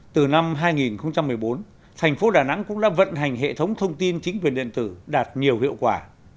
từ năm hai nghìn một mươi bốn thành phố đà nẵng cũng đã vận hành hệ thống thông tin chính quyền điện tử đạt nhiều hiệu quả